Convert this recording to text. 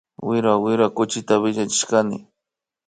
Wira wira kuchita wiñachishkani